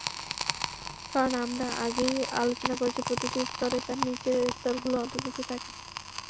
কারণ, আমরা আগেই আলোচনা করেছি, প্রতিটি স্তরে তার নিচের স্তরগুলো অন্তর্ভুক্ত থাকে।